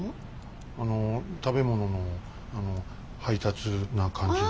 あの食べ物のあの配達な感じの。